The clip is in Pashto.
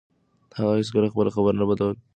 هغه هیڅکله خپله خبره نه بدلوي.